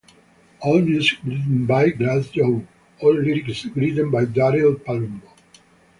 All music written by Glassjaw; all lyrics written by Daryl Palumbo.